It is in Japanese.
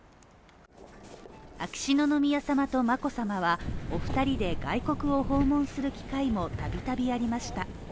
秋篠宮さまと眞子さまはお２人で外国を訪問する機会も度々ありました